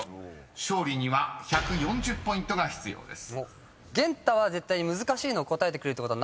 ［勝利には１４０ポイントが必要です］